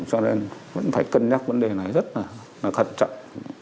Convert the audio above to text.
cho nên vẫn phải cân nhắc vấn đề này rất là thận trọng